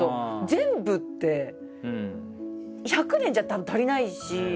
全部って１００年じゃたぶん足りないし。